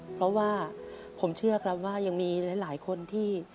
เพราะว่าผมเชื่อครับว่ายังมีหลายคนที่